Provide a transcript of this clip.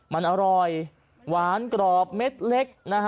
มันอร่อยหวานกรอบเม็ดเล็กนะฮะ